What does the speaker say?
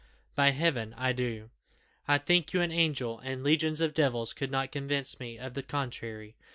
By Heaven I do! I think you an angel, and legions of devils could not convince me of the contrary.